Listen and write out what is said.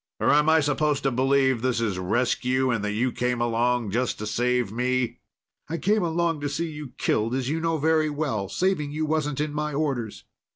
Or am I supposed to believe this is rescue and that you came along just to save me?" "I came along to see you killed, as you know very well. Saving you wasn't in my orders."